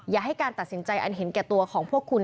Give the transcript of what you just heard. อย่าให้การตัดสินใจอันเห็นแก่ตัวของพวกคุณ